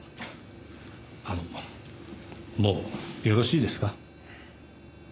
あのもうよろしいですか？